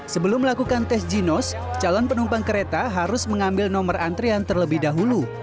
sebelum melakukan tes ginos calon penumpang kereta harus mengambil nomor antrian terlebih dahulu